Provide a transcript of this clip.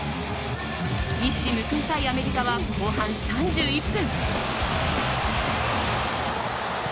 一矢報いたいアメリカは後半３１分。